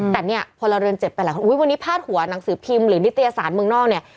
แต่เนี่ยพลเรือนเจ็บไปหลายคนอุ้ยวันนี้พาดหัวหนังสือพิมพ์หรือนิตยสารเมืองนอกเนี่ย